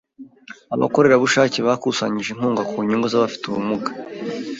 Abakorerabushake bakusanyije inkunga ku nyungu z’abafite ubumuga.